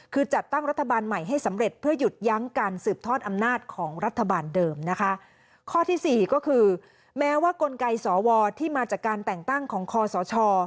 การสืบทอดอำนาจของรัฐบาลเดิมนะคะข้อที่๔ก็คือแม้ว่ากลไกสวที่มาจากการแต่งตั้งของคอสช